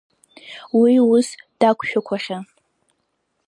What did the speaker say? Уи ус дақәшәақәахьан.